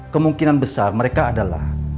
kemungkinan besar mereka adalah